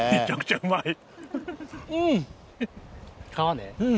うん。